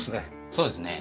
そうですね。